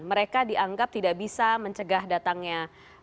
mereka dianggap tidak bisa mencegah datangnya